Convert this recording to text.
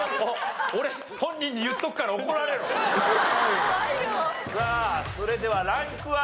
俺本人に言っとくからさあそれではランクは？